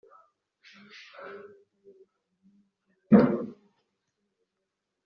twabarashe imyambi; tuva heshiboni dutsemba byose tugera divoni.